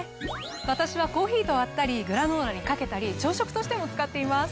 私はコーヒーと割ったりグラノーラにかけたり朝食としても使っています。